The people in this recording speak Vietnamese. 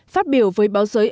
phát biểu với báo giới